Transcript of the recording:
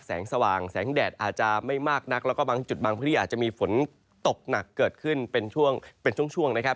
สว่างแสงแดดอาจจะไม่มากนักแล้วก็บางจุดบางพื้นที่อาจจะมีฝนตกหนักเกิดขึ้นเป็นช่วงเป็นช่วงนะครับ